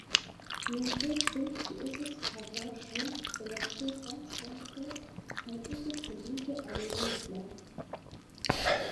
Nuntempe ĝi estas havaĵo de la ĉeĥa stato kaj estas publike alirebla.